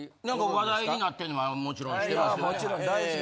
話題になってるのはもちろん知ってますけど。